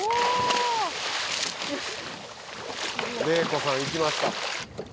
怜子さん行きました。